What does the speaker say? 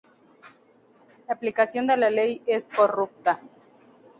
La aplicación de la ley es corrupta.